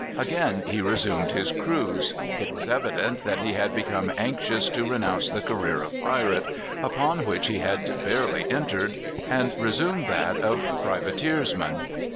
Again he resumed his cruise. It was evident that he had become anxious to renounce the career of pirate, upon which he had barely entered, and resume that of privateersman.